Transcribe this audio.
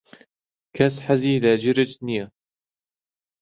کەس حەزی لە جرج نییە.